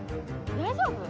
大丈夫？